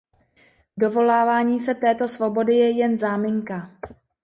Dovolávání se této svobody je jen záminka.